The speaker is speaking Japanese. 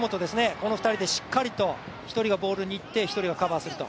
この２人でしっかりと１人がボールに行って１人はカバーすると。